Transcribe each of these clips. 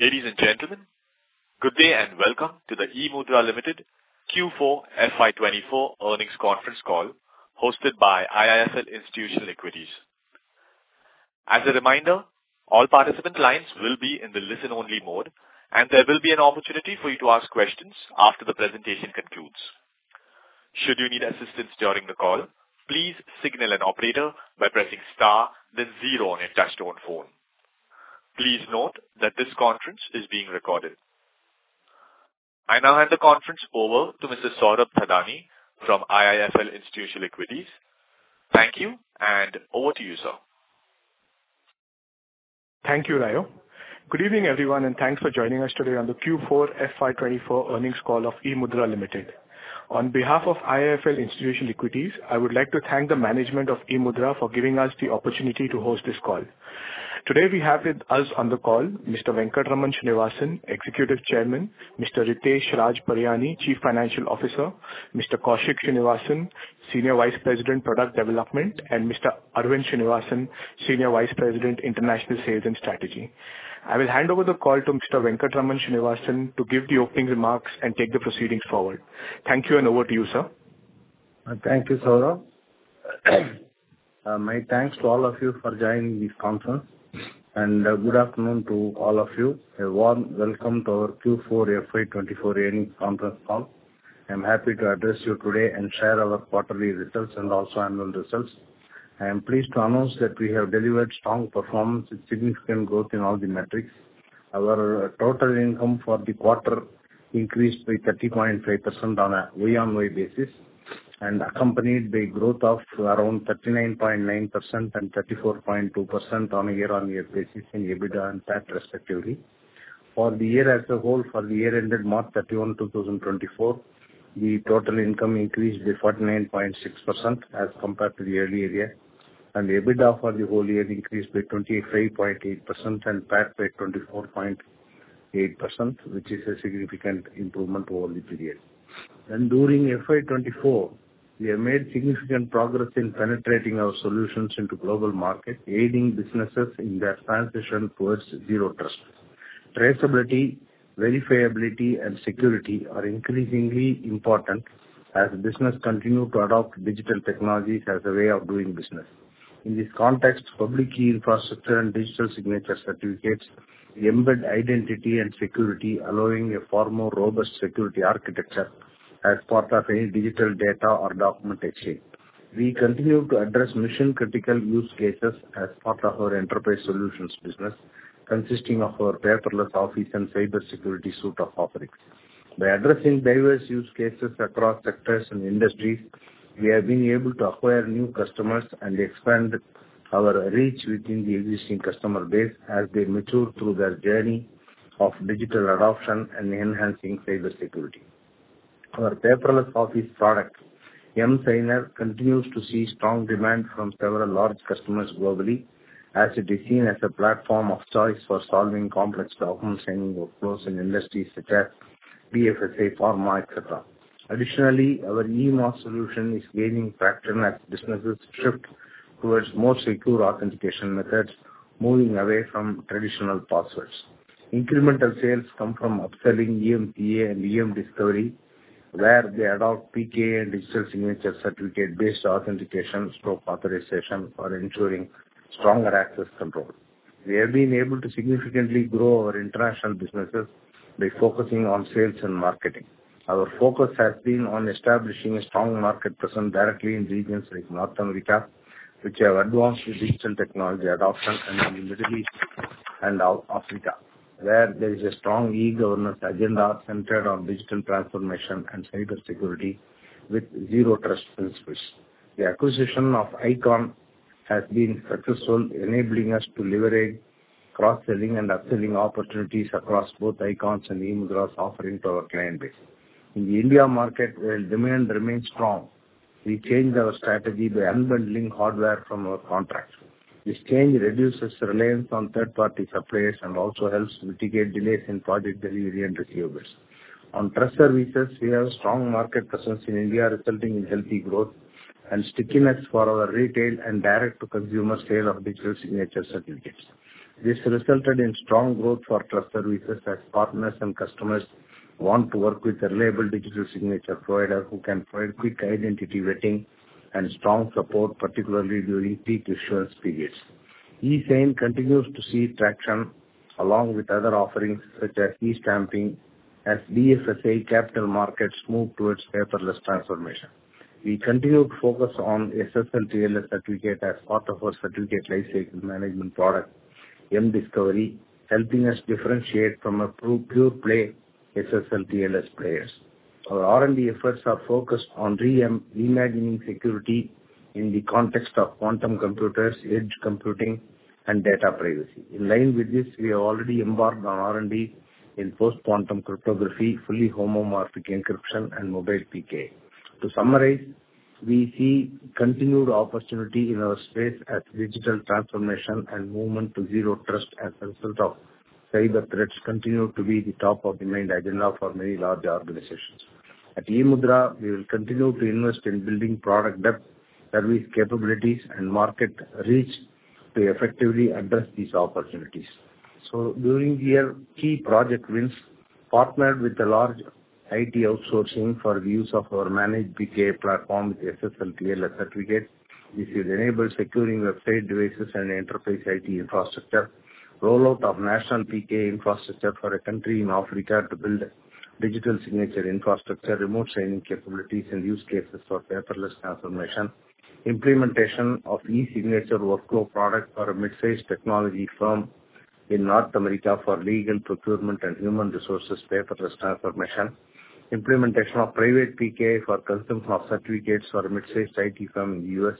Ladies and gentlemen, good day and welcome to the eMudhra Limited Q4 FY24 earnings conference call, hosted by IIFL Institutional Equities. As a reminder, all participant lines will be in the listen-only mode, and there will be an opportunity for you to ask questions after the presentation concludes. Should you need assistance during the call, please signal an operator by pressing star, then zero on your touchtone phone. Please note that this conference is being recorded. I now hand the conference over to Mr. Saurabh Thadani from IIFL Institutional Equities. Thank you, and over to you, sir. Thank you, Rayo. Good evening, everyone, and thanks for joining us today on the Q4 FY24 earnings call of eMudhra Limited. On behalf of IIFL Institutional Equities, I would like to thank the management of eMudhra for giving us the opportunity to host this call. Today, we have with us on the call Mr. Venkatraman Srinivasan, Executive Chairman, Mr. Ritesh Raj Pariyani, Chief Financial Officer, Mr. Kaushik Srinivasan, Senior Vice President, Product Development, and Mr. Arvind Srinivasan, Senior Vice President, International Sales and Strategy. I will hand over the call to Mr. Venkatraman Srinivasan to give the opening remarks and take the proceedings forward. Thank you, and over to you, sir. Thank you, Saurabh. My thanks to all of you for joining this conference, and, good afternoon to all of you. A warm welcome to our Q4 FY 2024 earnings conference call. I'm happy to address you today and share our quarterly results and also annual results. I am pleased to announce that we have delivered strong performance with significant growth in all the metrics. Our total income for the quarter increased by 30.5% on a year-on-year basis, and accompanied by growth of around 39.9% and 34.2% on a year-on-year basis in EBITDA and PAT, respectively. For the year as a whole, for the year ended March 31, 2024, the total income increased by 49.6% as compared to the earlier year, and EBITDA for the whole year increased by 25.8% and PAT by 24.8%, which is a significant improvement over the period. During FY 2024, we have made significant progress in penetrating our solutions into global market, aiding businesses in their transition towards Zero Trust. Traceability, verifiability, and security are increasingly important as business continue to adopt digital technologies as a way of doing business. In this context, public key infrastructure and digital signature certificates embed identity and security, allowing a far more robust security architecture as part of any digital data or document exchange. We continue to address mission-critical use cases as part of our enterprise solutions business, consisting of our paperless office and cybersecurity suite of offerings. By addressing various use cases across sectors and industries, we have been able to acquire new customers and expand our reach within the existing customer base as they mature through their journey of digital adoption and enhancing cybersecurity. Our paperless office product, emSigner, continues to see strong demand from several large customers globally, as it is seen as a platform of choice for solving complex document signing workflows in industries such as BFSI, pharma, et cetera. Additionally, our emTA solution is gaining traction as businesses shift towards more secure authentication methods, moving away from traditional passwords. Incremental sales come from upselling emTA and emDiscovery, where they adopt PKI and digital signature certificate-based authentication scope authorization for ensuring stronger access control. We have been able to significantly grow our international businesses by focusing on sales and marketing. Our focus has been on establishing a strong market presence directly in regions like North America, which have advanced the digital technology adoption, and in the Middle East and Africa, where there is a strong e-governance agenda centered on digital transformation and cybersecurity with Zero Trust principles. The acquisition of Ikon has been successful, enabling us to leverage cross-selling and upselling opportunities across both Ikon's and eMudhra's offering to our client base. In the India market, where demand remains strong, we changed our strategy by unbundling hardware from our contracts. This change reduces reliance on third-party suppliers and also helps mitigate delays in project delivery and receivables. On trust services, we have a strong market presence in India, resulting in healthy growth and stickiness for our retail and direct-to-consumer sale of digital signature certificates. This resulted in strong growth for trust services, as partners and customers want to work with a reliable digital signature provider who can provide quick identity vetting and strong support, particularly during peak issuance periods. eSign continues to see traction, along with other offerings, such as eStamping, as BFSI capital markets move towards paperless transformation. We continue to focus on SSL/TLS certificate as part of our certificate lifecycle management product, emDiscovery, helping us differentiate from a pure play SSL/TLS players. Our R&D efforts are focused on reimagining security in the context of quantum computers, edge computing, and data privacy. In line with this, we have already embarked on R&D in post-quantum cryptography, fully homomorphic encryption, and mobile PKI. To summarize, we see continued opportunity in our space as digital transformation and movement to Zero Trust as a result of cyber threats continue to be the top of the main agenda for many large organizations. At eMudhra, we will continue to invest in building product depth, service capabilities, and market reach to effectively address these opportunities. So during the year, key project wins partnered with a large IT outsourcing for the use of our managed PKI platform with SSL/TLS certificates. This has enabled securing website devices and enterprise IT infrastructure. Rollout of national PKI infrastructure for a country in Africa to build digital signature infrastructure, remote signing capabilities, and use cases for paperless transformation. Implementation of e-signature workflow product for a mid-sized technology firm in North America for legal, procurement, and human resources paperless transformation. Implementation of private PKI for custom of certificates for a mid-sized IT firm in the U.S.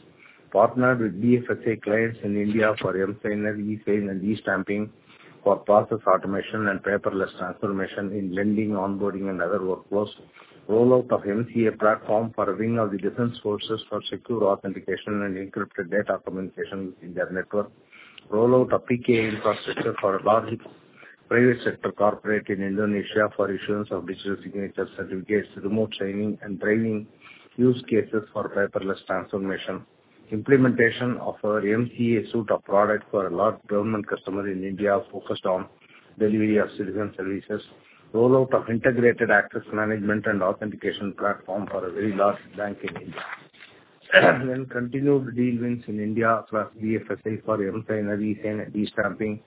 Partnered with BFSI clients in India for emSigner, eSign, and eStamping for process automation and paperless transformation in lending, onboarding, and other workflows. Rollout of emCA platform for a wing of the defense forces for secure authentication and encrypted data communication within their network. Rollout of PKI infrastructure for a large private sector corporate in Indonesia for issuance of digital signature certificates, remote signing, and training use cases for paperless transformation. Implementation of our emCA suite of product for a large government customer in India, focused on delivery of citizen services. Rollout of integrated access management and authentication platform for a very large bank in India. Continued deal wins in India plus BFSI for emSigner, eSign, and eStamping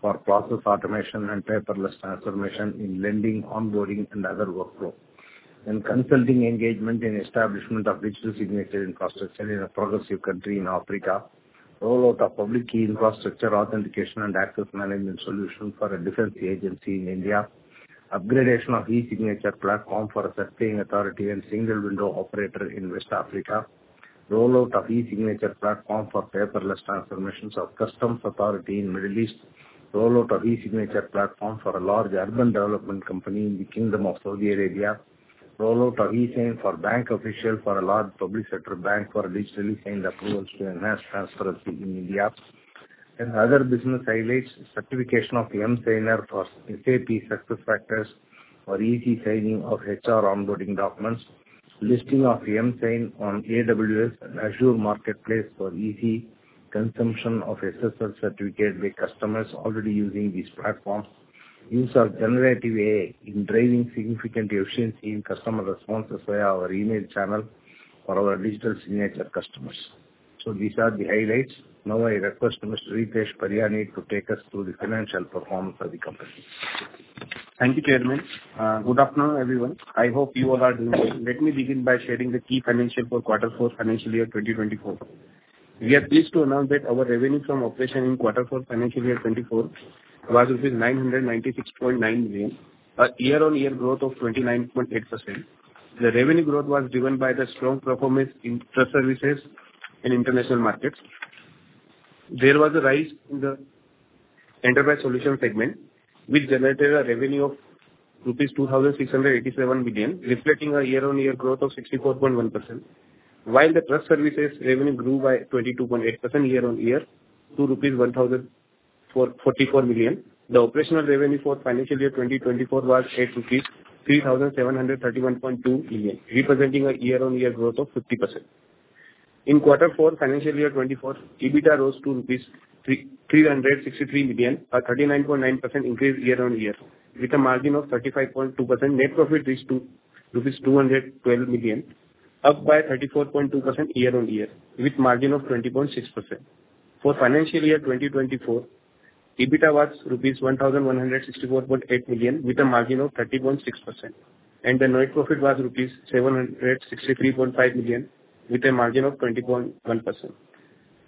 for process automation and paperless transformation in lending, onboarding, and other workflow. Consulting engagement in establishment of digital signature infrastructure in a progressive country in Africa. Rollout of public key infrastructure, authentication, and access management solution for a defense agency in India. Upgradation of e-signature platform for a surveying authority and single window operator in West Africa. Rollout of e-signature platform for paperless transformations of customs authority in Middle East. Rollout of e-signature platform for a large urban development company in the Kingdom of Saudi Arabia. Rollout of eSign for bank official for a large public sector bank for digitally signed approvals to enhance transparency in India. Other business highlights, certification of emSigner for SAP SuccessFactors for easy signing of HR onboarding documents. Listing of emSign on AWS and Azure Marketplace for easy consumption of SSL certificate by customers already using these platforms. Use of Generative AI in driving significant efficiency in customer responses via our email channel for our digital signature customers. These are the highlights. Now I request Mr. Ritesh Pariyani to take us through the financial performance of the company. Thank you, Chairman. Good afternoon, everyone. I hope you all are doing well. Let me begin by sharing the key financial for Q4, financial year 2024. We are pleased to announce that our revenue from operation in Q4, financial year 2024, was rupees 996.9 million, a year-on-year growth of 29.8%. The revenue growth was driven by the strong performance in trust services in international markets. There was a rise in the enterprise solution segment, which generated a revenue of rupees 2,687 billion, reflecting a year-on-year growth of 64.1%. While the trust services revenue grew by 22.8% year-on-year to rupees 1,044 million. The operational revenue for financial year 2024 was 8,371.2 million rupees, representing a year-on-year growth of 50%. In Q4, financial year 2024, EBITDA rose to rupees 363 million, a 39.9% increase year-on-year, with a margin of 35.2%. Net profit reached to rupees 212 million, up by 34.2% year-on-year, with margin of 20.6%. For financial year 2024, EBITDA was rupees 1,164.8 million, with a margin of 30.6%, and the net profit was rupees 763.5 million, with a margin of 20.1%.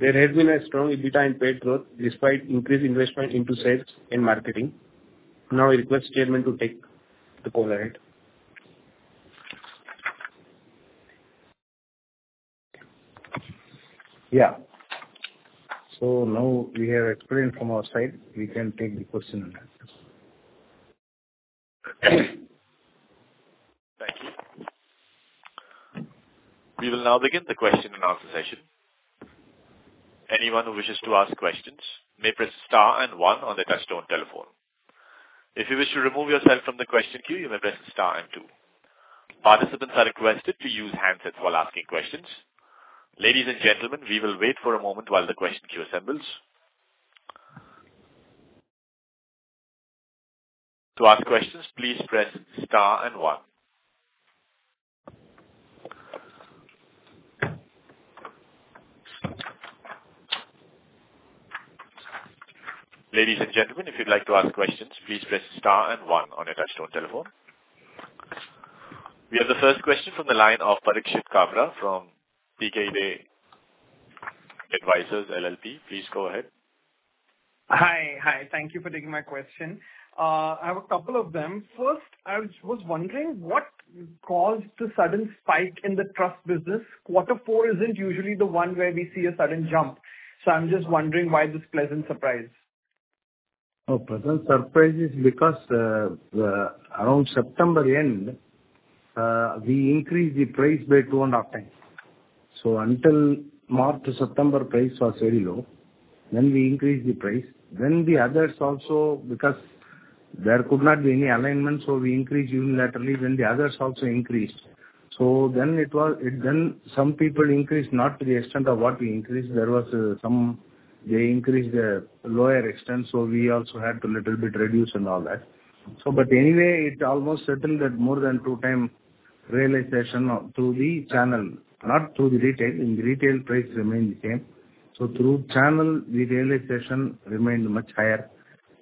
There has been a strong EBITDA and PAT growth despite increased investment into sales and marketing. Now I request Chairman to take the podium. Yeah. Now we have explained from our side. We can take the question and answer. Thank you. We will now begin the question and answer session. Anyone who wishes to ask questions may press star and one on their touchtone telephone. If you wish to remove yourself from the question queue, you may press star and two. Participants are requested to use handsets while asking questions. Ladies and gentlemen, we will wait for a moment while the question queue assembles. To ask questions, please press star and one. Ladies and gentlemen, if you'd like to ask questions, please press star and one on your touchtone telephone. We have the first question from the line of Parikshit Kabra from PKV Advisors LLP. Please go ahead. Hi. Hi, thank you for taking my question. I have a couple of them. First, I was wondering what caused the sudden spike in the trust business? Q4 isn't usually the one where we see a sudden jump, so I'm just wondering why this pleasant surprise? Oh, pleasant surprise is because, around September end, we increased the price by 2.5x So until March to September, price was very low. Then we increased the price. Then the others also, because there could not be any alignment, so we increased unilaterally, then the others also increased. So then it then some people increased, not to the extent of what we increased. There was some, they increased a lower extent, so we also had to little bit reduce and all that. So but anyway, it almost settled at more than 2x realization of- through the channel, not through the retail. In the retail, price remained the same. So through channel, the realization remained much higher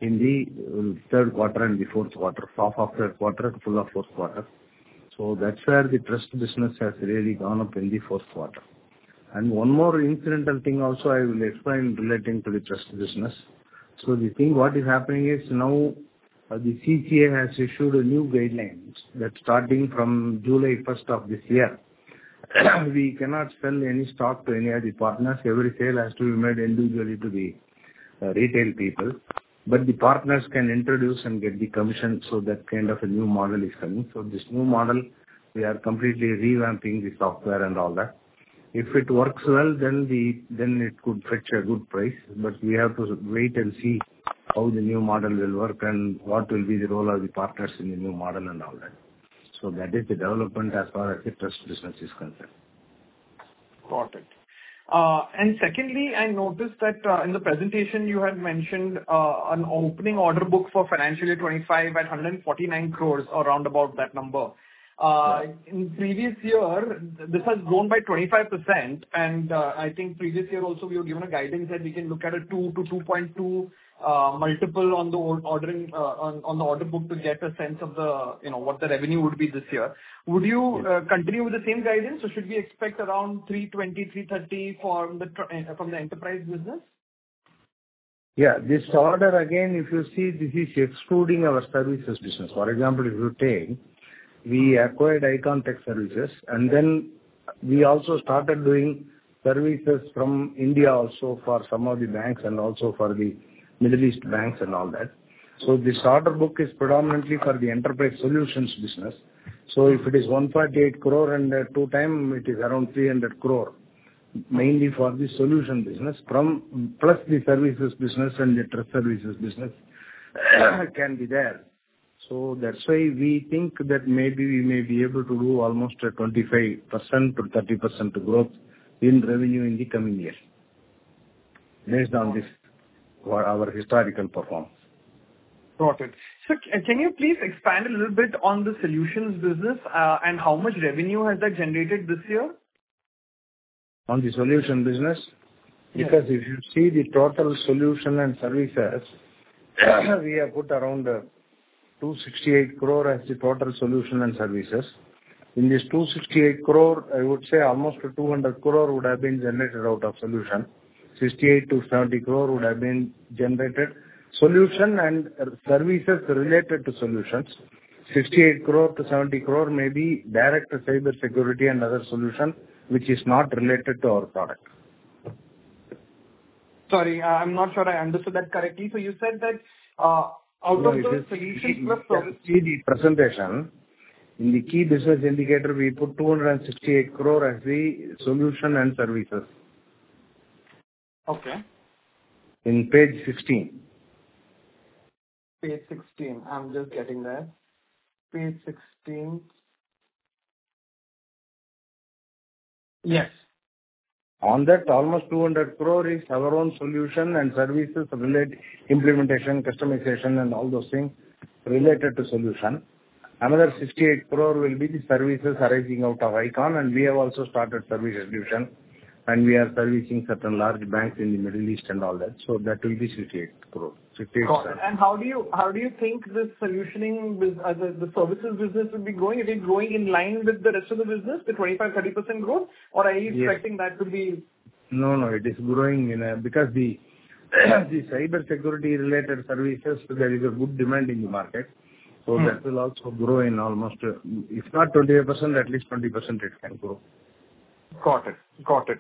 in the third quarter and the 4Q. Half of third quarter, full of 4Q. So that's where the trust business has really gone up in the 4Q. And one more incidental thing also I will explain relating to the trust business. So the thing, what is happening is now, the CCA has issued a new guidelines that starting from July first of this year, we cannot sell any stock to any of the partners. Every sale has to be made individually to the retail people, but the partners can introduce and get the commission, so that kind of a new model is coming. So this new model, we are completely revamping the software and all that. If it works well, then the, then it could fetch a good price, but we have to wait and see how the new model will work and what will be the role of the partners in the new model and all that. That is the development as far as the trust business is concerned. Got it. And secondly, I noticed that, in the presentation you had mentioned, an opening order book for financial year 2025 at 149 crore, around about that number. Right. In previous year, this has grown by 25%, and I think previous year also, we have given a guidance that we can look at a 2-2.2 multiple on the ordering on the order book to get a sense of the, you know, what the revenue would be this year. Yes. Would you continue with the same guidance, or should we expect around 320-330 from the enterprise business? Yeah. This order, again, if you see, this is excluding our services business. For example, if you take, we acquiredIkon Tech Services, and then we also started doing services from India also for some of the banks and also for the Middle East banks and all that. So this order book is predominantly for the enterprise solutions business. So if it is 148 crore and two times, it is around 300 crore, mainly for the solution business from... Plus the services business and the trust services business, can be there. So that's why we think that maybe we may be able to do almost a 25%-30% growth in revenue in the coming year, based on this, what our historical performance. Got it. So can you please expand a little bit on the solutions business, and how much revenue has that generated this year? On the solution business? Yes. Because if you see the total solution and services, we have put around 268 crore as the total solution and services. In this 268 crore, I would say almost 200 crore would have been generated out of solution. 68 crore-70 crore would have been generated, solution and services related to solutions. 68 crore-70 crore may be direct cybersecurity and other solution, which is not related to our product. Sorry, I'm not sure I understood that correctly. So you said that, out of the solution was service- If you see the presentation, in the key business indicator, we put 268 crore as the solution and services. Okay. On page 16. Page 16. I'm just getting there. Page 16. Yes. On that, almost 200 crore is our own solution and services relate implementation, customization, and all those things related to solution. Another 68 crore will be the services arising out ofIkon, and we have also started service solution, and we are servicing certain large banks in the Middle East and all that, so that will be 68 crore, 68 crore. Got it. And how do you think this solutioning business, the services business will be growing? It is growing in line with the rest of the business, the 25%-30% growth? Or are you- Yes. expecting that to be... No, no, it is growing in a... Because the cybersecurity-related services, there is a good demand in the market. That will also grow in almost, if not 28%, at least 20% it can grow. Got it. Got it.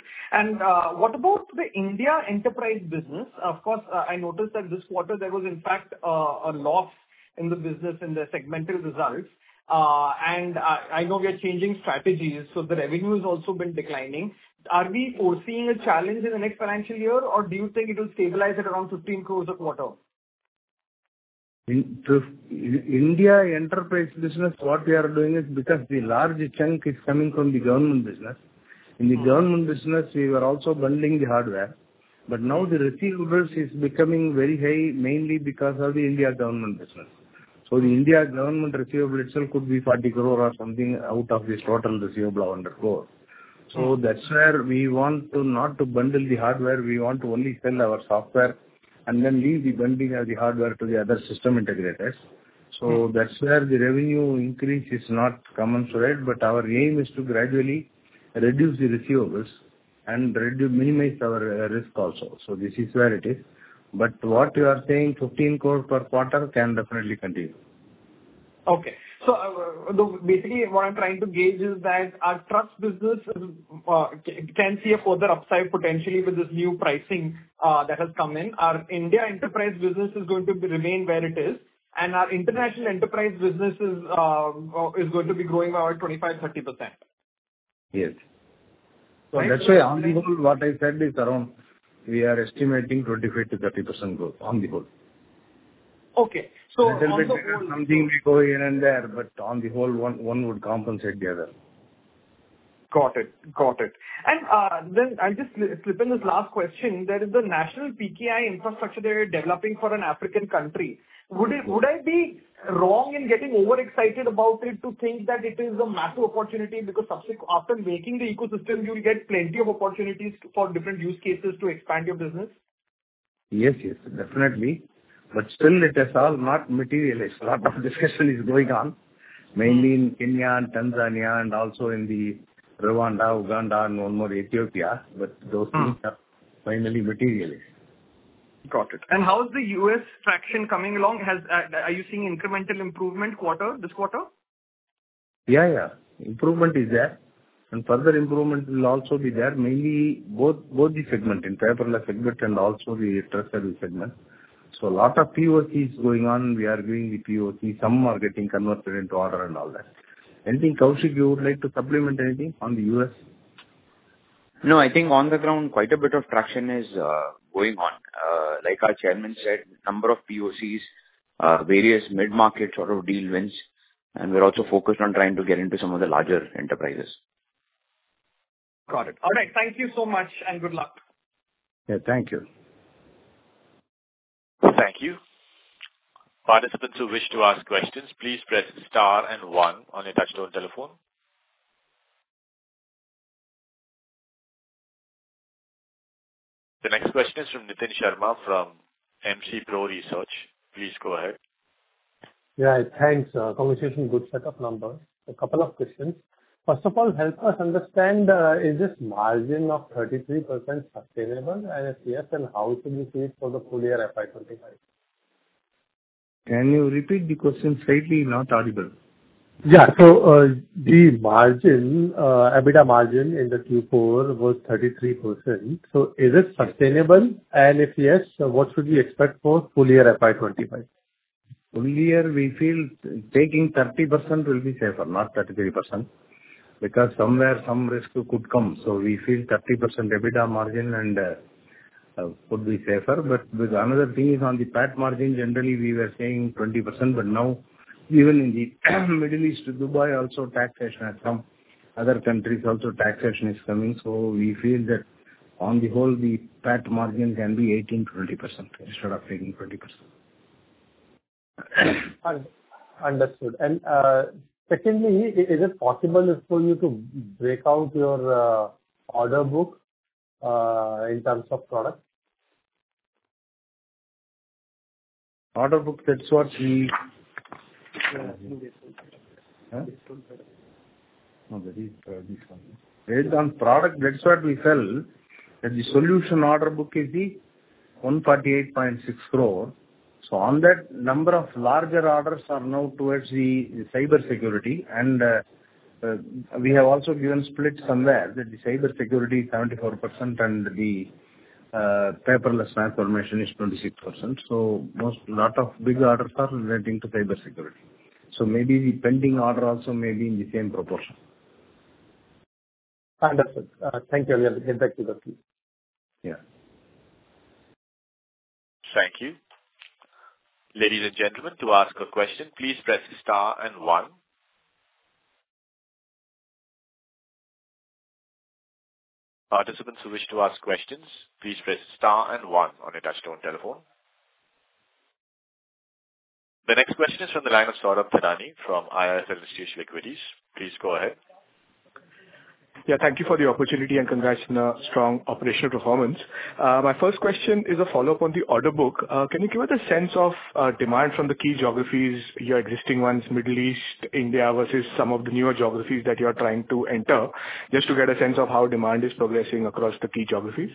What about the India enterprise business? Of course, I noticed that this quarter there was in fact a loss in the business in the segmental results. I know we are changing strategies, so the revenue has also been declining. Are we foreseeing a challenge in the next financial year, or do you think it will stabilize at around 15 crores a quarter? In the India enterprise business, what we are doing is, because the large chunk is coming from the government business. In the government business, we were also bundling the hardware, but now the receivables is becoming very high, mainly because of the India government business. So the India government receivable itself could be 40 crore or something out of this total receivable of 100 crore. That's where we want to, not to bundle the hardware, we want to only sell our software and then leave the bundling of the hardware to the other system integrators. So that's where the revenue increase is not commensurate, but our aim is to gradually reduce the receivables and minimize our risk also. So this is where it is. But what you are saying, 15 crore per quarter, can definitely continue. Okay. So, basically, what I'm trying to gauge is that our trust business can see a further upside potentially with this new pricing that has come in. Our India enterprise business is going to be remain where it is, and our international enterprise business is going to be growing by around 25%-30%. Yes. So that's why on the whole, what I said is around, we are estimating 25%-30% growth on the whole. Okay, so on the whole- Something may go here and there, but on the whole, one would compensate the other. Got it. Got it. And then I'll just slip in this last question. There is a national PKI infrastructure that you're developing for an African country. Would it- would I be wrong in getting overexcited about it, to think that it is a massive opportunity? Because subsequent, after making the ecosystem, you'll get plenty of opportunities for different use cases to expand your business. Yes, yes, definitely. But still it has all not materialized. A lot of discussion is going on, mainly in Kenya and Tanzania and also in Rwanda, Uganda and one more Ethiopia, but those things are finally materialized. Got it. And how is the U.S. traction coming along? Are you seeing incremental improvement quarter, this quarter? Yeah, yeah, improvement is there, and further improvement will also be there, mainly both, both the segment, in paperless segment and also the trust service segment. So a lot of POCs going on. We are doing the POC. Some are getting converted into order and all that. Anything, Kaushik, you would like to supplement anything on the U.S.? No, I think on the ground, quite a bit of traction is going on. Like our chairman said, number of POCs, various mid-market sort of deal wins, and we're also focused on trying to get into some of the larger enterprises. Got it. All right. Thank you so much, and good luck. Yeah, thank you. Thank you. Participants who wish to ask questions, please press star and one on your touchtone telephone. The next question is from Nitin Sharma, from MC Pro Research. Please go ahead. Yeah, thanks. Congratulations on good set of numbers. A couple of questions. First of all, help us understand, is this margin of 33% sustainable? And if yes, then how should we see it for the full year, FY 2025? Can you repeat the question slightly? Not audible. Yeah. So, the margin, EBITDA margin in the Q4 was 33%. So is it sustainable? And if yes, what should we expect for full year FY25? Full year, we feel taking 30% will be safer, not 33%, because somewhere some risk could come. So we feel 30% EBITDA margin and could be safer. But another thing is on the PAT margin, generally, we were saying 20%, but now even in the Middle East, Dubai, also taxation has come. Other countries also, taxation is coming, so we feel that on the whole, the PAT margin can be 18%-20% instead of taking 20%. Understood. And, secondly, is it possible for you to break out your order book in terms of product? Order book, that's what we... Based on product, that's what we said, that the solution order book is 148.6 crore. So on that number of larger orders are now towards the cybersecurity, and we have also given splits somewhere, that the cybersecurity 74% and the paperless transformation is 26%. So most lot of big orders are relating to cybersecurity. So maybe the pending order also may be in the same proportion. Understood. Thank you. I will get back to you. Yeah. Thank you. Ladies and gentlemen, to ask a question, please press star and one. Participants who wish to ask questions, please press star and one on your touchtone telephone. The next question is from the line of Saurabh Thadani from IIFL Institutional Equities. Please go ahead. Yeah, thank you for the opportunity, and congrats on a strong operational performance. My first question is a follow-up on the order book. Can you give us a sense of demand from the key geographies, your existing ones, Middle East, India, versus some of the newer geographies that you are trying to enter, just to get a sense of how demand is progressing across the key geographies?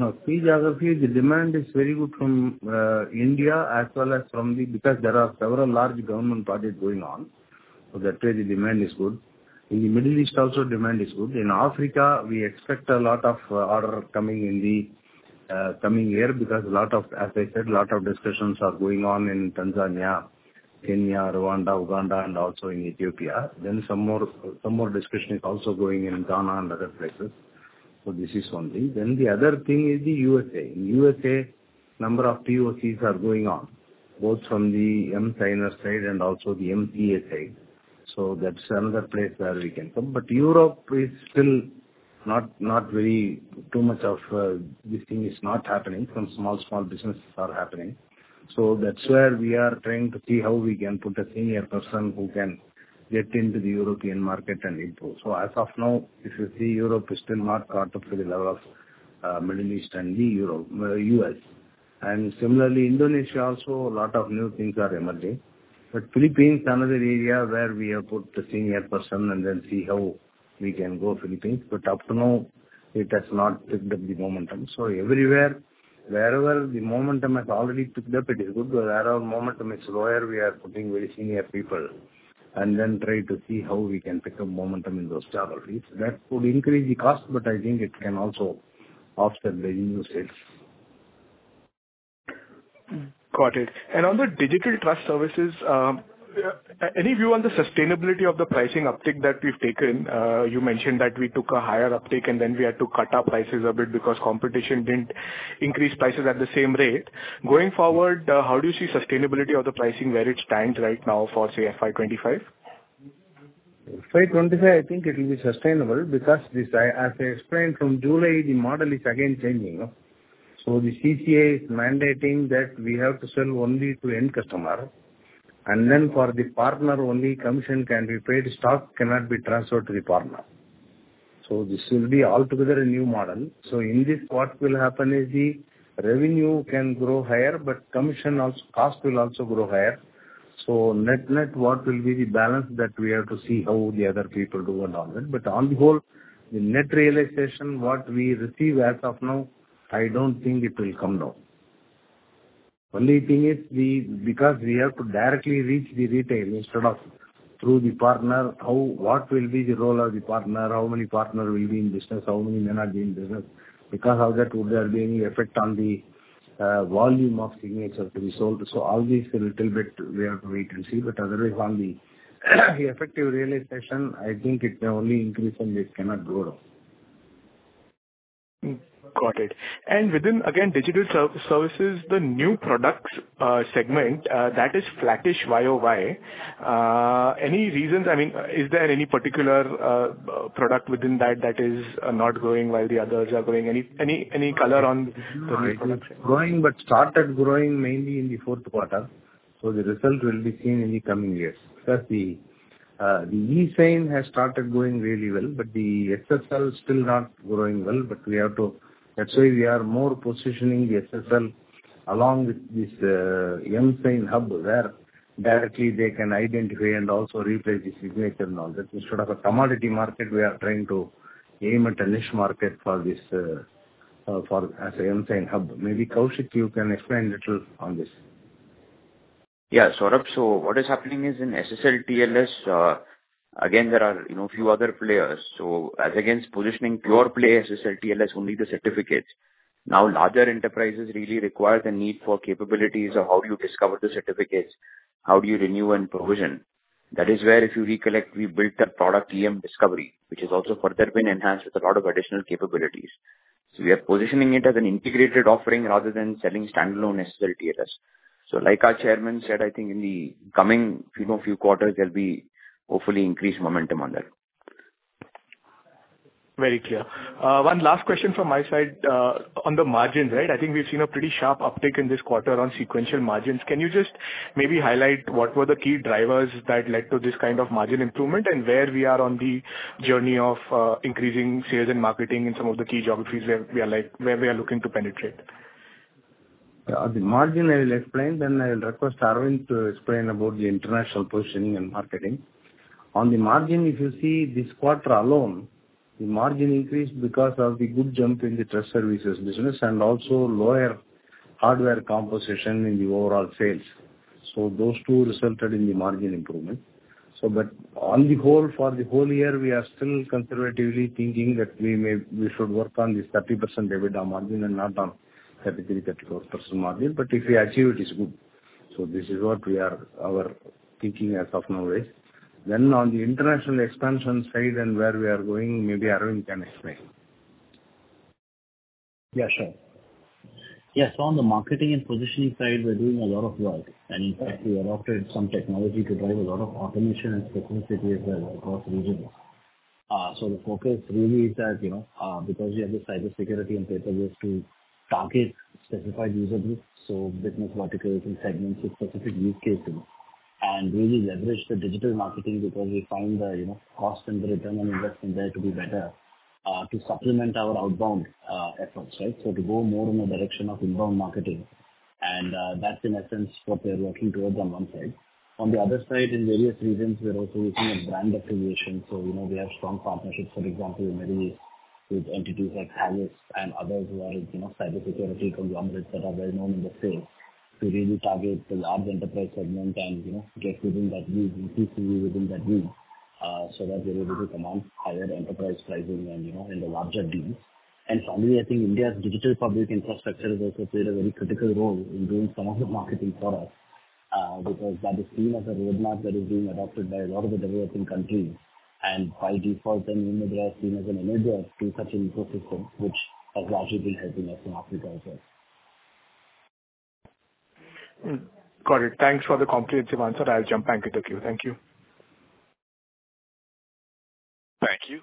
Now, key geographies, the demand is very good from India as well as from the... Because there are several large government projects going on, so that way the demand is good. In the Middle East also demand is good. In Africa, we expect a lot of order coming in the coming year, because a lot of- as I said, a lot of discussions are going on in Tanzania, Kenya, Rwanda, Uganda, and also in Ethiopia. Then some more, some more discussion is also going in Ghana and other places. So this is one thing. Then the other thing is the USA. In USA, number of POCs are going on, both from the emSigner side and also the emTA side. So that's another place where we can come. But Europe is still not, not very, too much of this thing is not happening. Some small, small businesses are happening. So that's where we are trying to see how we can put a senior person who can get into the European market and improve. So as of now, if you see, Europe is still not caught up to the level of Middle East and Europe, US. And similarly, Indonesia also, a lot of new things are emerging. But Philippines, another area where we have put a senior person and then see how we can go Philippines. But up to now, it has not picked up the momentum. So everywhere, wherever the momentum has already picked up, it is good. Wherever momentum is lower, we are putting very senior people, and then try to see how we can pick up momentum in those geographies. That would increase the cost, but I think it can also offset the usage. Got it. And on the digital trust services, any view on the sustainability of the pricing uptick that we've taken? You mentioned that we took a higher uptick, and then we had to cut our prices a bit because competition didn't increase prices at the same rate. Going forward, how do you see sustainability of the pricing where it stands right now for, say, FY 25? FY 25, I think it will be sustainable because this, I, as I explained, from July, the model is again changing, no? So the CCA is mandating that we have to sell only to end customer, and then for the partner, only commission can be paid, stock cannot be transferred to the partner. So this will be altogether a new model. So in this, what will happen is the revenue can grow higher, but commission cost will also grow higher. So net-net, what will be the balance that we have to see how the other people do and all that. But on the whole, the net realization, what we receive as of now, I don't think it will come down. Only thing is we, because we have to directly reach the retail instead of through the partner, how, what will be the role of the partner? How many partner will be in business? How many may not be in business? Because of that, would there be any effect on the, volume of signatures to be sold? So all these a little bit, we have to wait and see. But otherwise, on the effective realization, I think it may only increase and this cannot go down. Got it. And within, again, digital services, the new products segment that is flattish YOY. Any reasons? I mean, is there any particular product within that that is not growing while the others are growing? Any color on the new product? Growing, but started growing mainly in the 4Q, so the result will be seen in the coming years. Because the eSign has started growing really well, but the SSL is still not growing well, but we have to... That's why we are more positioning the SSL along with this emSignHub, where directly they can identify and also replace the signature and all that. Instead of a commodity market, we are trying to aim at a niche market for this, for as a emSignHub. Maybe, Kaushik, you can explain a little on this. Yeah, Saurabh. So what is happening is, in SSL/TLS, again, there are, you know, a few other players. So as against positioning pure play SSL/TLS, only the certificates, now larger enterprises really require the need for capabilities of how you discover the certificates, how do you renew and provision. That is where, if you recollect, we built a product, emDiscovery, which has also further been enhanced with a lot of additional capabilities. So we are positioning it as an integrated offering rather than selling standalone SSL/TLS. So like our chairman said, I think in the coming, you know, few quarters, there'll be hopefully increased momentum on that. Very clear. One last question from my side. On the margins, right? I think we've seen a pretty sharp uptick in this quarter on sequential margins. Can you just maybe highlight what were the key drivers that led to this kind of margin improvement, and where we are on the journey of increasing sales and marketing in some of the key geographies where we are like, where we are looking to penetrate? The margin, I will explain, then I will request Arvind to explain about the international positioning and marketing. On the margin, if you see this quarter alone, the margin increased because of the good jump in the trust services business, and also lower hardware composition in the overall sales. So those two resulted in the margin improvement. So but on the whole, for the whole year, we are still conservatively thinking that we may, we should work on this 30% EBITDA margin and not on 33%-34% margin, but if we achieve it, it's good. So this is what we are, our thinking as of now, right? Then on the international expansion side and where we are going, maybe Arvind can explain. Yeah, sure. Yes, so on the marketing and positioning side, we're doing a lot of work, and in fact, we adopted some technology to drive a lot of automation and specificity as well across regions. So the focus really is that, you know, because we have the cybersecurity and paperless to target specified user groups, so business verticals and segments with specific use cases, and really leverage the digital marketing, because we find the, you know, cost and the return on investment there to be better, to supplement our outbound, efforts, right? So to go more in the direction of inbound marketing, and, that's in a sense, what we are working towards on one side. On the other side, in various regions, we are also looking at brand accreditation. So, you know, we have strong partnerships, for example, in Middle East, with entities like Thales and others who are, you know, cybersecurity conglomerates that are very known in the space, to really target the large enterprise segment and, you know, get within that niche and PPC within that niche, so that we're able to command higher enterprise pricing and, you know, in the larger deals. Finally, I think India's digital public infrastructure has also played a very critical role in doing some of the marketing for us, because that is seen as a roadmap that is being adopted by a lot of the developing countries. By default, then eMudhra is seen as an enabler to such an ecosystem, which has gradually helping us in Africa as well. Hmm. Got it. Thanks for the comprehensive answer. I'll jump back into queue. Thank you. Thank you.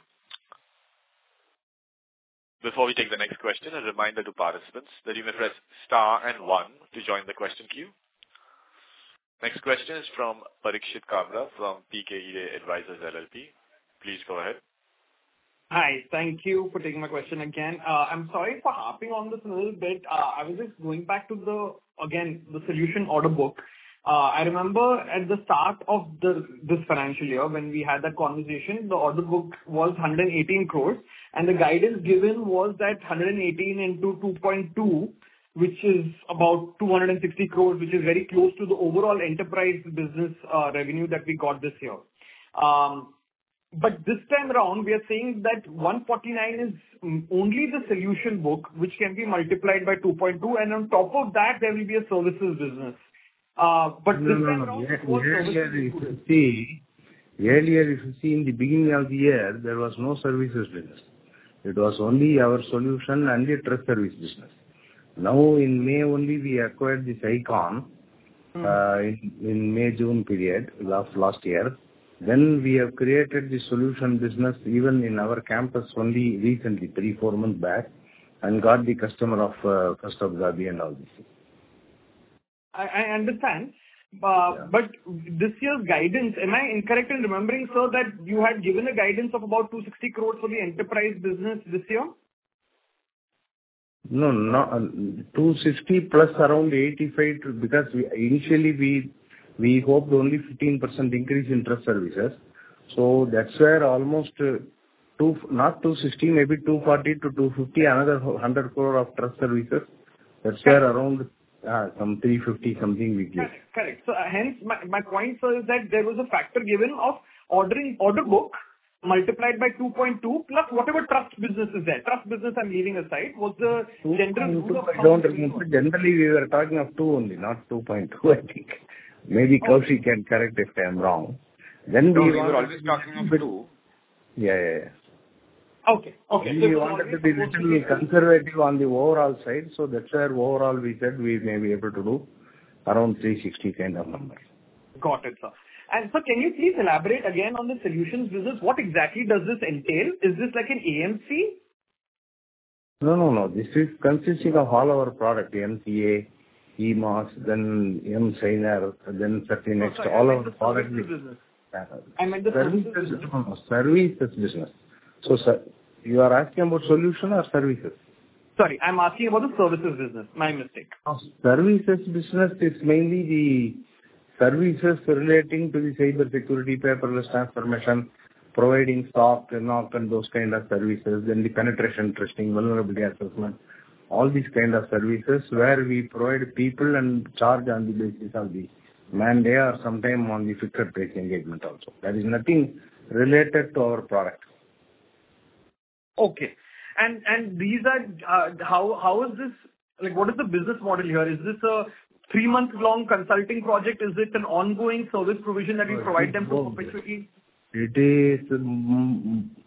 Before we take the next question, a reminder to participants that you may press star and 1 to join the question queue. Next question is from Parikshit Kabra, from PKV Advisors LLP. Please go ahead. Hi, thank you for taking my question again. I'm sorry for harping on this a little bit. I was just going back to the, again, the solution order book. I remember at the start of the, this financial year, when we had that conversation, the order book was 118 crore, and the guidance given was that 118 into 2.2, which is about 260 crore, which is very close to the overall enterprise business revenue that we got this year. But this time around, we are saying that 149 crore is only the solution book, which can be multiplied by 2.2, and on top of that, there will be a services business. but- No, no, no. Earlier, if you see, earlier if you see in the beginning of the year, there was no services business. It was only our solution and the trust service business. Now, in May only, we acquired theIkon in May, June period of last year. Then we have created the solution business even in our campus only recently, 3, 4 months back, and got the customer of First Abu Dhabi Bank and all this. I understand. Yeah. This year's guidance, am I incorrect in remembering, sir, that you had given a guidance of about 260 crore for the enterprise business this year? No, not 260 crore + around 85 crore, because initially we hoped only 15% increase in trust services. So that's where almost two, not 260 crore, maybe 240 crore-250 crore, another 100 crore of trust services. Yeah. That's where around some 350 crore something we gave. Correct. Correct. So hence, my, my point, sir, is that there was a factor given of ordering order book multiplied by 2.2, plus whatever trust business is there. Trust business I'm leaving aside. Was the general rule of- Generally, we were talking of 2 only, not 2.2, I think. Maybe Percy can correct if I'm wrong. Then we were- No, we were always talking of two. Yeah, yeah, yeah. Okay. Okay. We wanted to be a little conservative on the overall side, so that's where overall we said we may be able to do around 360 kind of numbers. Got it, sir. And sir, can you please elaborate again on the solutions business? What exactly does this entail? Is this like an AMC? No, no, no. This is consisting of all our product, emCA, emAS, then emSigner, then Thirty Next, all our product. I meant the services business. No, no, services business. So, sir, you are asking about solution or services? Sorry, I'm asking about the services business. My mistake. Services business is mainly the services relating to the cybersecurity, paperless transformation, providing stock and all those kind of services, then the penetration testing, vulnerability assessment. All these kind of services where we provide people and charge on the basis of the manpower, sometimes on the fixed rate engagement also. There is nothing related to our product. Okay. These are... How is this—like, what is the business model here? Is this a three-month long consulting project? Is it an ongoing service provision that you provide them perpetuity? It is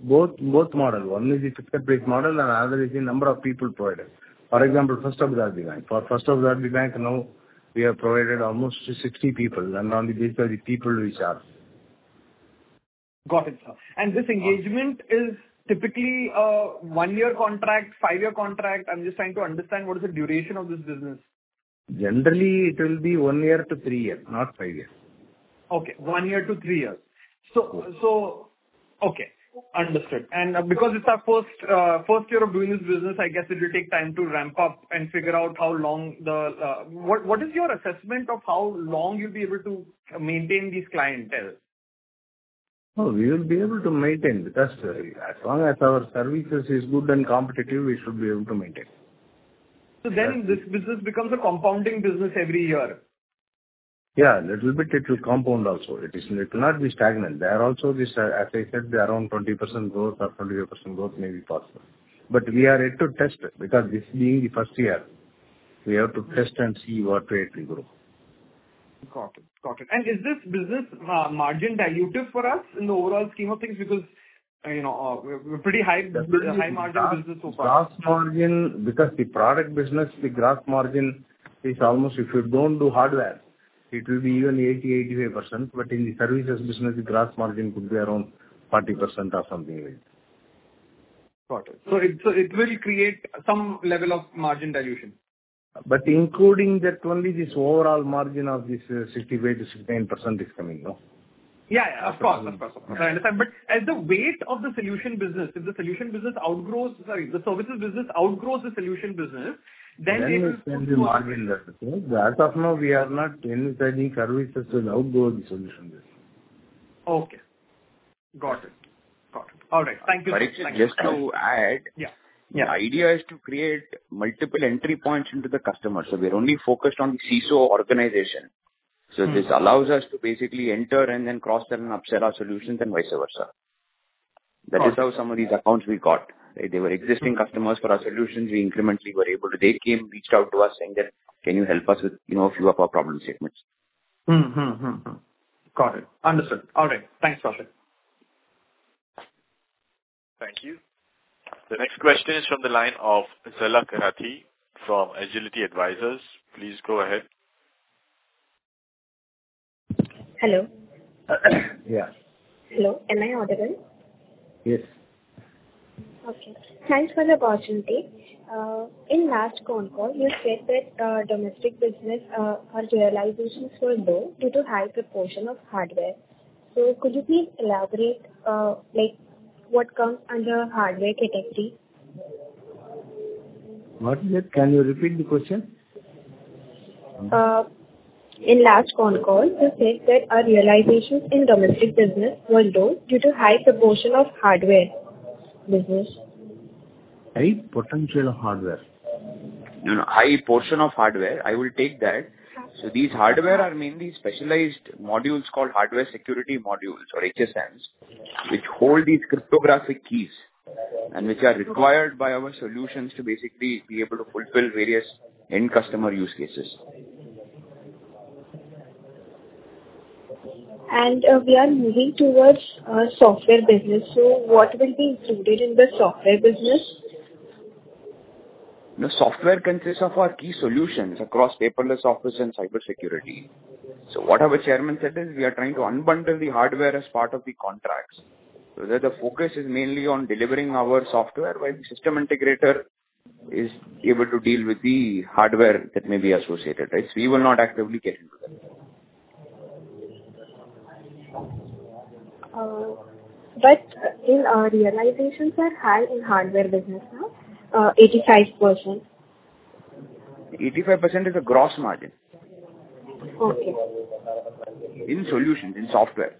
both, both model. One is the fixed price model and another is the number of people provided. For example, First Abu Dhabi Bank. For First Abu Dhabi Bank now, we have provided almost 60 people, and on the basis of the people we charge. Got it, sir. This engagement is typically a one-year contract, five-year contract? I'm just trying to understand what is the duration of this business. Generally, it will be 1-3 years, not 5 years. Okay, 1-3 years. Yeah. Okay, understood. Yeah. Because it's our first year of doing this business, I guess it will take time to ramp up and figure out how long the... What is your assessment of how long you'll be able to maintain these clientele? Oh, we will be able to maintain the customer. As long as our services is good and competitive, we should be able to maintain. This business becomes a compounding business every year. Yeah, little bit it will compound also. It is, it will not be stagnant. There are also this, as I said, around 20% growth or 25% growth may be possible. But we are yet to test it, because this being the first year, we have to test and see what rate we grow. Got it. Got it. Is this business margin dilutive for us in the overall scheme of things? Because, you know, we're, we're pretty high, high margin business so far. Gross margin, because the product business, the gross margin is almost... If you don't do hardware, it will be even 80%-85%, but in the services business, the gross margin could be around 40% or something like it. Got it. So it will create some level of margin dilution? But including that only, this overall margin of this 65%-60% is coming, no? Yeah, yeah, of course. Of course. Okay. I understand. But as the weight of the solution business, if the solution business outgrows, sorry, the services business outgrows the solution business, then- It can be margin that. As of now, we are not saying that the services will outgrow the solution business. Okay. Got it. Got it. All right. Thank you. Just to add- Yeah, yeah. The idea is to create multiple entry points into the customer, so we are only focused on CISO organization. This allows us to basically enter and then cross-sell and upsell our solutions and vice versa. Got it. That is how some of these accounts we got. They were existing customers for our solutions. We incrementally were able to... They came, reached out to us saying that, "Can you help us with, you know, a few of our problem statements? Got it. Understood. All right. Thanks, Prashant. Thank you. The next question is from the line of Zal Kakaria from Agility Advisors. Please go ahead. Hello. Yeah. Hello, am I audible? Yes. Okay. Thanks for the opportunity. In last con call, you said that domestic business, our realizations were low due to high proportion of hardware. So could you please elaborate, like, what comes under hardware category? What is it? Can you repeat the question? In last con call, you said that our realizations in domestic business were low due to high proportion of hardware business. High potential of hardware? No, no, high portion of hardware, I will take that. So these hardware are mainly specialized modules called hardware security modules, or HSMs, which hold these cryptographic keys, and which are required by our solutions to basically be able to fulfill various end customer use cases. We are moving towards our software business, so what will be included in the software business? The software consists of our key solutions across paperless office and cybersecurity. So what our Chairman said is, we are trying to unbundle the hardware as part of the contracts, so that the focus is mainly on delivering our software, while the system integrator is able to deal with the hardware that may be associated, right? So we will not actively get into that. But in our realization, sir, high in hardware business now, 85%. 85% is a gross margin. Okay. In solution, in software.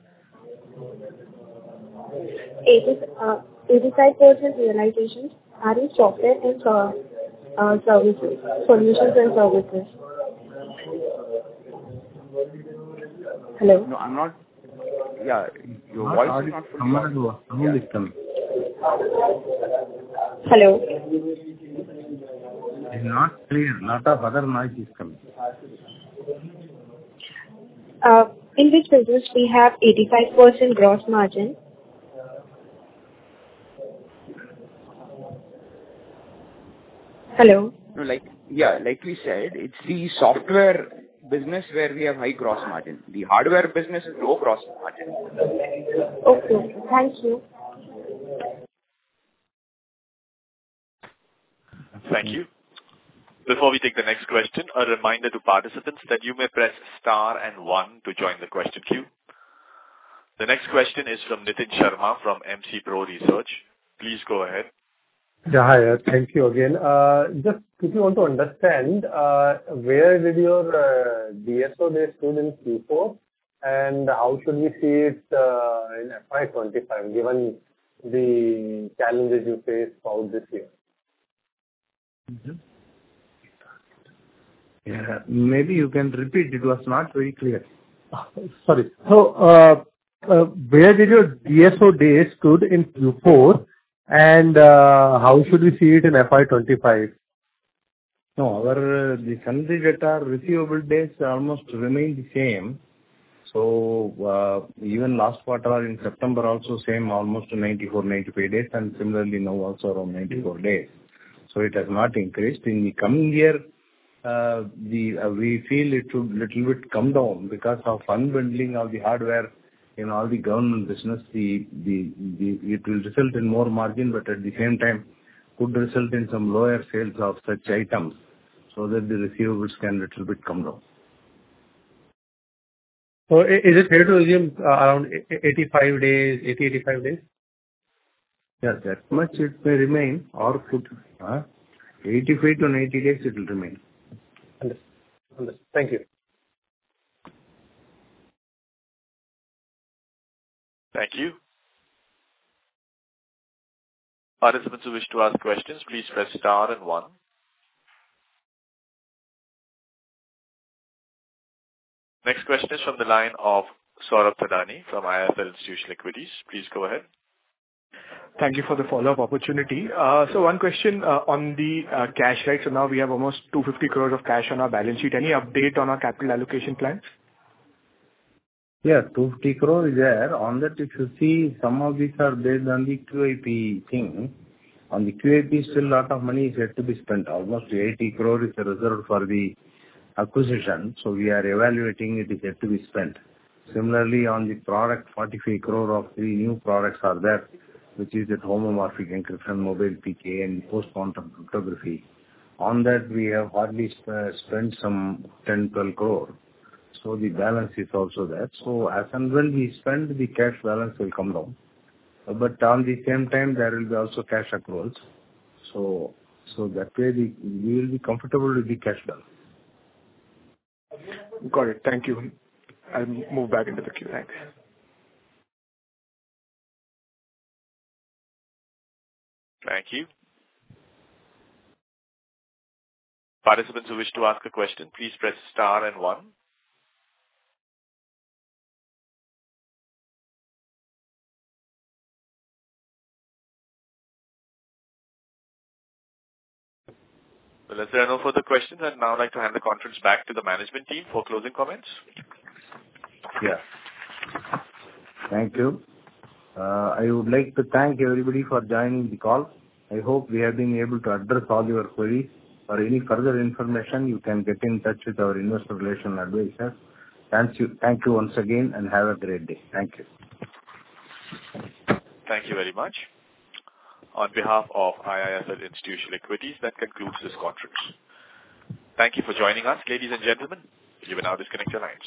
85% realizations are in software and services. Solutions and services. Hello? No, I'm not... Yeah, your voice is not- Some other sound is coming. Hello? It's not clear. A lot of other noise is coming. In which business we have 85% gross margin? Hello? No, like... Yeah, like we said, it's the software business where we have high gross margin. The hardware business is low gross margin. Okay. Thank you. Thank you. Before we take the next question, a reminder to participants that you may press star and one to join the question queue. The next question is from Nitin Sharma, from MC Pro Research. Please go ahead. Yeah, hi. Thank you again. Just quickly want to understand, where did your DSO days stood in Q4, and how should we see it, in FY 25, given the challenges you faced throughout this year? Yeah, maybe you can repeat. It was not very clear. Sorry. So, where did your DSO days stood in Q4, and, how should we see it in FY 2025? No, our, the sundry debtor receivable days almost remained the same. So, even last quarter in September, also same, almost 94, 95 days, and similarly now also around 94 days. So it has not increased. In the coming year, we, we feel it should little bit come down because of unbundling of the hardware in all the government business. It will result in more margin, but at the same time could result in some lower sales of such items, so that the receivables can little bit come down. So is it fair to assume, around 85 days, 80, 85 days? Yeah, that much it may remain or could, 85-90 days it will remain. Understood. Understood. Thank you. Thank you. Participants who wish to ask questions, please press star and one. Next question is from the line of Saurabh Thadani from IIFL Institutional Equities. Please go ahead. Thank you for the follow-up opportunity. One question, on the cash side. Now we have almost 250 crores of cash on our balance sheet. Any update on our capital allocation plans? Yeah, 250 crore is there. On that, if you see, some of which are based on the QIP thing. On the QIP, still a lot of money is yet to be spent. Almost 80 crore is reserved for the acquisition, so we are evaluating. It is yet to be spent. Similarly, on the product, 45 crore of the new products are there, which is at homomorphic encryption, mobile PK, and post-quantum cryptography. On that, we have hardly spent some 10, 12 crore, so the balance is also there. So as and when we spend, the cash balance will come down. But on the same time, there will be also cash approvals. So, so that way, we will be comfortable with the cash flow. Got it. Thank you. I'll move back into the queue. Thank you. Thank you. Participants who wish to ask a question, please press star and one. Well, as there are no further questions, I'd now like to hand the conference back to the management team for closing comments. Yeah. Thank you. I would like to thank everybody for joining the call. I hope we have been able to address all your queries, or any further information, you can get in touch with our investor relations advisor. Thank you, thank you once again, and have a great day. Thank you. Thank you very much. On behalf of IIFL Institutional Equities, that concludes this conference. Thank you for joining us, ladies and gentlemen. You may now disconnect your lines.